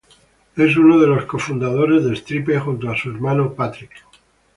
Es uno de los co-fundadores de Stripe junto a su hermano, Patrick.